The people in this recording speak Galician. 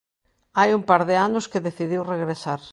Hai un par de anos que decidiu regresar.